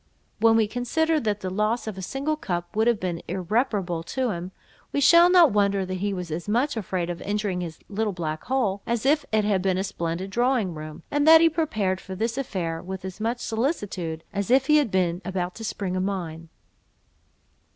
When we consider that the loss of a single cup would have been irreparable to him, we shall not wonder that he was as much afraid of injuring his little black hole, as if it had been a splendid drawing room, and that he prepared for this affair, with as much solicitude as if he had been about to spring a mine.